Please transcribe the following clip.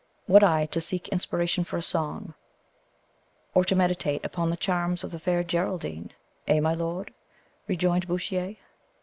"What I to seek inspiration for a song or to meditate upon the charms of the fair Geraldine, eh, my lord?" rejoined Bouchier.